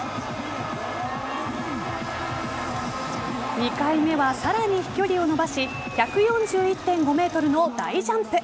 ２回目はさらに飛距離を伸ばし１４１．５ｍの大ジャンプ。